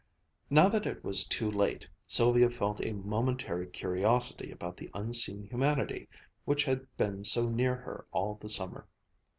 Now that it was too late, Sylvia felt a momentary curiosity about the unseen humanity which had been so near her all the summer.